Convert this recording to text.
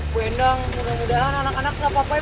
bu endang mudah mudahan anak anak gak apa apai